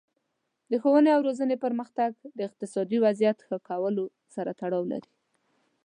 د ښوونې او روزنې پرمختګ د اقتصادي وضعیت ښه کولو سره تړاو لري.